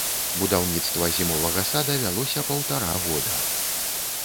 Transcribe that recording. Будаўніцтва зімовага сада вялося паўтара года.